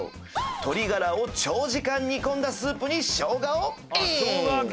鶏がらを長時間煮込んだスープにショウガをイン！